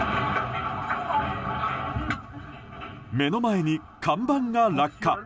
目の前に看板が落下。